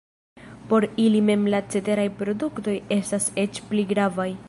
Por ili mem la ceteraj produktoj estas eĉ pli gravaj.